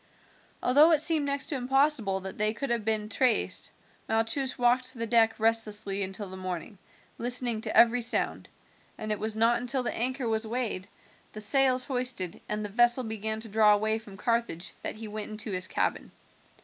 Although it seemed next to impossible that they could have been traced, Malchus walked the deck restlessly until the morning, listening to every sound, and it was not until the anchor was weighed, the sails hoisted, and the vessel began to draw away from Carthage that he went into his cabin.